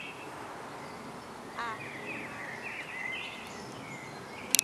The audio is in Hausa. Ah, koma yaya.